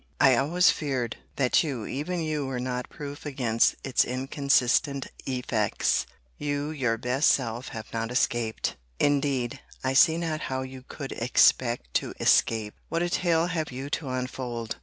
—I always feared, that you, even you, were not proof against its inconsistent effects. You your best self have not escaped!—Indeed I see not how you could expect to escape. What a tale have you to unfold!